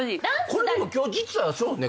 これでも今日実はそうね。